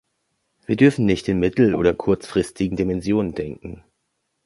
Wir dürfen nicht in mitteloder kurzfristigen Dimensionen denken.